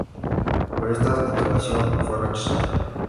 Pero esta titulación fue rechazada.